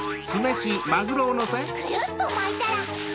クルっとまいたら